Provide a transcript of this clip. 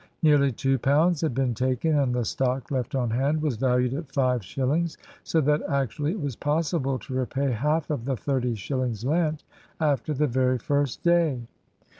Nearly two pounds had been taken, and the stock left on hand was valued at five shillings, so that actually it was possible to repay half of the thirty shillings lent, after the very first day.